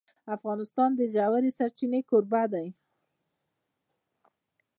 افغانستان د ژورې سرچینې کوربه دی.